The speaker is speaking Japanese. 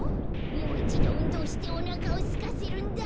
もういちどうんどうしておなかをすかせるんだ。